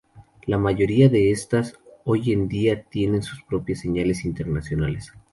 La mayoría de estas, hoy en día tienen sus propias señales internacionales.